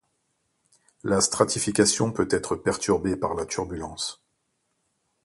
La stratification peut être perturbée par la turbulence.